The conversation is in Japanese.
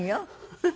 フフ！